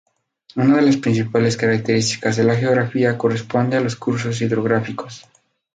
Una de las principales características de la geografía corresponde a los cursos hidrográficos.